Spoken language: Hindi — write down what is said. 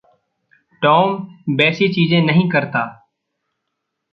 टॉम वैसी चीज़ें नहीं करता।